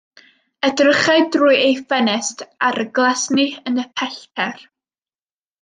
Edrychai drwy ei ffenest ar y glesni yn y pellter.